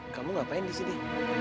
kamu ngapain disini